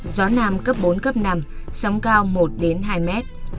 gió nam cấp bốn cấp năm sóng cao một đến hai mét